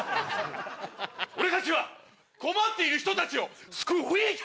俺たちは困っている人たちを救うぃたい！